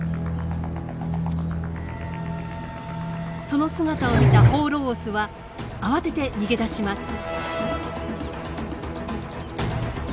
その姿を見た放浪オスは慌てて逃げ出します。